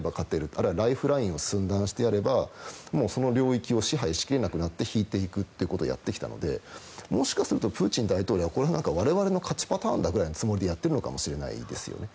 あるいはライフラインを寸断してやればその領域を支配しきれなくなって引いていくということをやってきたのでもしかするとプーチン大統領は我々の勝ちパターンだぐらいのつもりでやっているのかもしれないですよね。